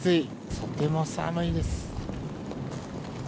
とても寒いです。